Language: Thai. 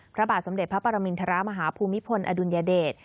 พระบาทสมเด็จพระปรมินทรมาฮภูมิพลอดุลยเดช